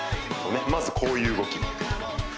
まずこういう動き